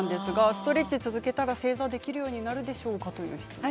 ストレッチ続けたらできるようになるでしょうか。